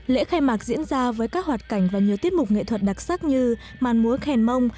lễ khai mạc diễn ra với các hoạt cảnh và nhiều tiết mục nghệ thuật đặc sắc như màn múa khen mông